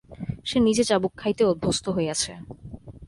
সে নিজে চাবুক খাইতে অভ্যস্ত হইয়াছে।